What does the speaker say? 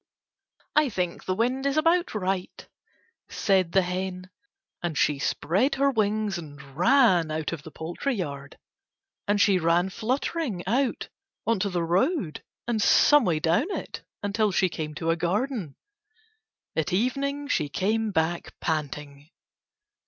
"I think the wind is about right," said the hen; and she spread her wings and ran out of the poultry yard. And she ran fluttering out on to the road and some way down it until she came to a garden. At evening she came back panting.